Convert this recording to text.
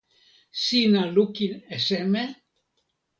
sina lukin e seme?